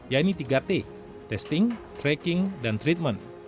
yaitu tiga t testing tracking dan treatment